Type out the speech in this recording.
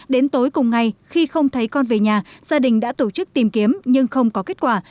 đến tối cùng ngày khi không thấy con về nhà gia đình đã tổ chức tìm kiếm nhưng không có kết quả